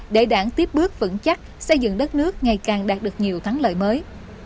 để đảng tiếp bước vững chắc xây dựng đất nước ngày càng đạt được nhiều thắng lợi mới